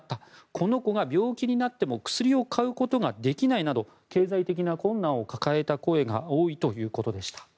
この子が病気になっても薬を買うことができないなど経済的な困難を抱えた声が多いということでした。